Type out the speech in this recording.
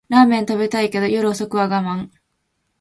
ラーメン食べたいけど夜遅くは我慢